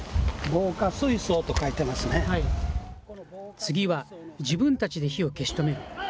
次は、自分たちで火を消し止める。